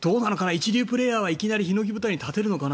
一流プレーヤーはいきなりひのき舞台に立てるのかな。